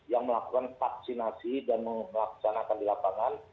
yang melakukan vaksinasi dan melaksanakan di lapangan